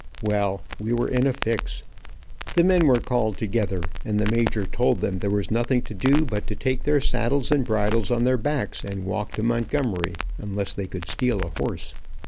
Well, we were in a fix. The men were called together, and the major told them there was nothing to do but to take their saddles and bridles on their backs and walk to Montgomery, unless they could steal a horse.